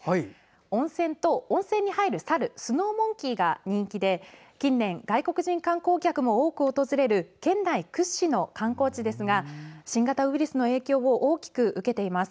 温泉と、温泉に入るサルスノーモンキーが人気で近年、外国人観光客も多く訪れる県内屈指の観光地ですが新型ウイルスの影響を大きく受けています。